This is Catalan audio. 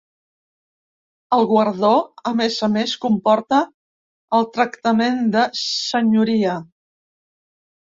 El guardó, a més a més, comporta el tractament de senyoria.